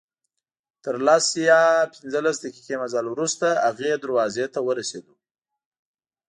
تر لس یا پنځلس دقیقې مزل وروسته هغې دروازې ته ورسېدو.